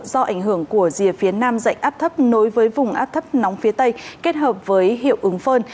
do ảnh hưởng của rìa phía nam dạnh áp thấp nối với vùng áp thấp nóng phía tây kết hợp với hiệu ứng phơn